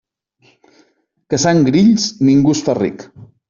Caçant grills, ningú es fa ric.